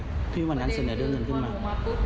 ประเด็นคือถัวหนูมาปุ๊บหนูมายื่นสิทธิ์ของน้อง